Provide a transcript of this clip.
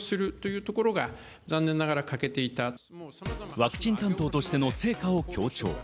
ワクチン担当としての成果を強調。